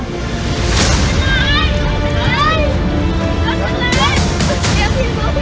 นาย